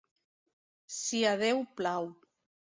Si a Déu plau.